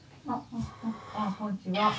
あこんにちは。